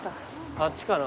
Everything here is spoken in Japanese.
あっちかな？